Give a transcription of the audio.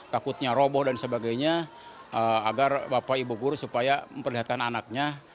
takutnya roboh dan sebagainya agar bapak ibu guru supaya memperlihatkan anaknya